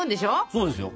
そうですよ。